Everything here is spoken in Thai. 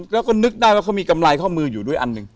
แล้วก็นึกได้ว่าเขามีกำไรข้อมืออยู่ด้วยอันหนึ่ง